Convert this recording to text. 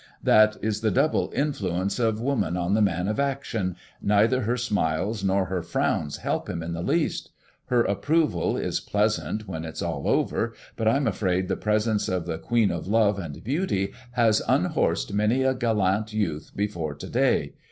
That is the double influence of woman on the man of action neither her smiles nor her frowns help him in the least. Her approval is pleasant when it's all over, but I'm afraid the presence of the Queen of Love and Beauty has unhorsed many a gallant youth before to day.